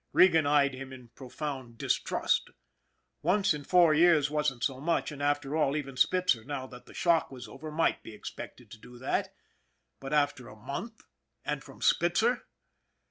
Regan eyed him in profound distrust. Once in four years wasn't so much, and after all, even Spitzer, now that the shock was over, might be expected to do that. But again in a month and from Spitzer